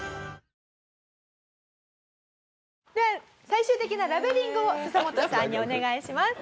最終的なラベリングをササモトさんにお願いします。